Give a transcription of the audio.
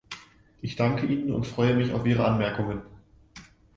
Ich danke Ihnen und freue mich auf Ihre Anmerkungen.